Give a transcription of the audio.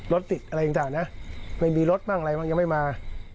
รถติดอะไรต่างนะไม่มีรถบ้างยังไม่มา